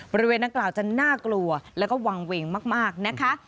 บริเวณดังกล่าวจะน่ากลัวแล้วก็วางเวงมากนะคะ